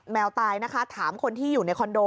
แมวตายนะคะถามคนที่อยู่ในคอนโด